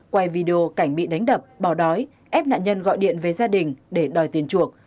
quay video cảnh bị đánh đập bỏ đói ép nạn nhân gọi điện về gia đình để đòi tiền chuộc